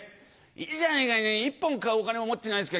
「いいじゃねぇか１本買うお金も持ってないんですか？